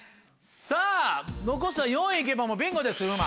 さぁ残すは４位行けばもうビンゴです風磨。